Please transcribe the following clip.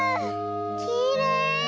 きれい！